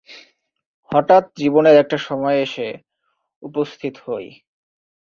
হঠাৎ জীবনের একটা সময়ে এসে উপস্থিত হই।